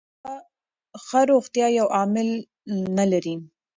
ښه روغتیا یو عامل نه لري.